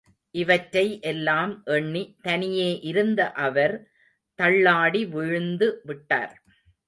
இவற்றை எல்லாம் எண்ணி தனியே இருந்த அவர் தள்ளாடி விழுந்து விட்டார்.